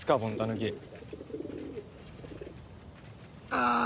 ああ！